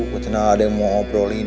karena ada yang mau ngobrolin